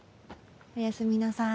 おやすみなさい。